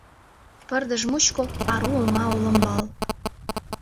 Пырдыж мучко — ару оҥа олымбал.